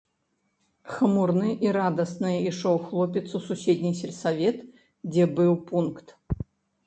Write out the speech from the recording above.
Хмурны і радасны ішоў хлопец у суседні сельсавет, дзе быў пункт.